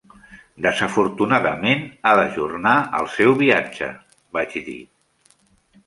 "Desafortunadament, ha d'ajornar el seu viatge," vaig dir.